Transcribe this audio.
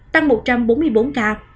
tăng một trăm bốn mươi bốn ca